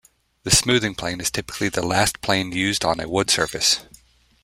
The smoothing plane is typically the last plane used on a wood surface.